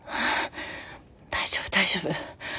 大丈夫大丈夫。